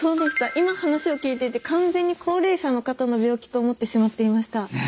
今話を聞いていて完全に高齢者の方の病気と思ってしまっていました。